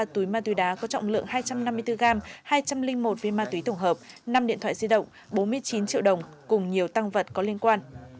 ba túi ma túy đá có trọng lượng hai trăm năm mươi bốn gram hai trăm linh một viên ma túy tổng hợp năm điện thoại di động bốn mươi chín triệu đồng cùng nhiều tăng vật có liên quan